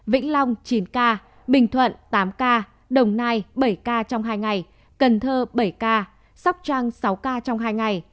vĩnh long chín ca bình thuận tám ca đồng nai bảy ca trong hai ngày cần thơ bảy ca sóc trăng sáu ca trong hai ngày